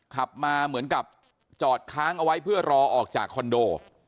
ขับมาเหมือนกับจอดค้างเอาไว้เพื่อรอออกจากคอนโด